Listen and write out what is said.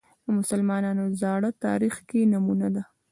د مسلمانانو زاړه تاریخ کې نمونه ده